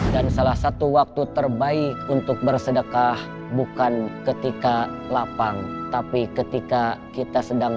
dan salah satu waktu terbaik untuk bersedekah bukan ketika lapang tapi ketika kita sedang